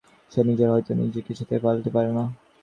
সে নিজের কাছ হইতে নিজে কিছুতেই পলাইতে পারে না।